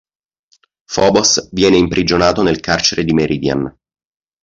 Phobos viene imprigionato nel carcere di Meridian.